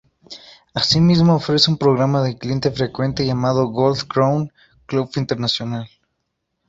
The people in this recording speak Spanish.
Así mismo ofrece un programa de cliente frecuente llamado "Gold Crown Club International".